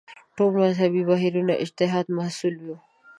ټول مذهبي بهیرونه اجتهاد محصول وو